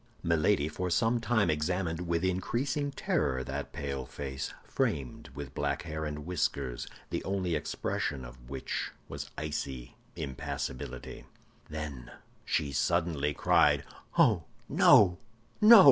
Milady for some time examined with increasing terror that pale face, framed with black hair and whiskers, the only expression of which was icy impassibility. Then she suddenly cried, "Oh, no, no!"